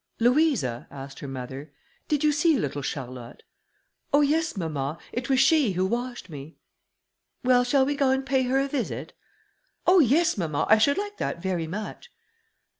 "Louisa," asked her mother, "did you see little Charlotte?" "Oh yes, mamma, it was she who washed me." "Well, shall we go and pay her a visit?" "Oh yes, mamma, I should like that very much."